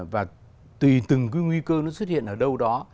và tùy từng cái nguy cơ nó xuất hiện ở đâu đó